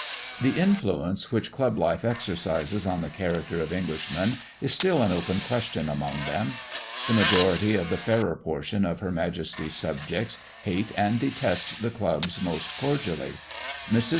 The influence which club life exercises on the character of Englishmen is still an open question among them. The majority of the fairer portion of Her Majesty's subjects hate and detest the clubs most cordially. Mrs.